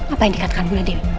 apa yang dikatakan bunda dewi